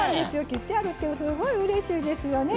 切ってあるってすごいうれしいですよね。